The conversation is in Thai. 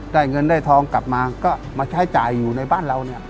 ได้เงินได้ทองกลับมาก็มาใช้จ่ายอยู่ในบ้านเราเนี่ย